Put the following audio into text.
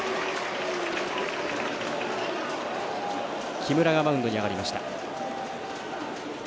木村がマウンドに上がりました。